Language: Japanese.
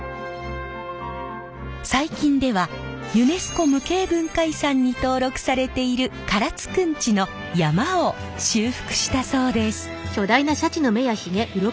最近ではユネスコ無形文化遺産に登録されている唐津くんちの曳山を修復したそうです。